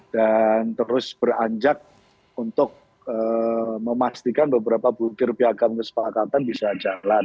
dan terus beranjak untuk memastikan beberapa budir piagam kesepakatan bisa jalan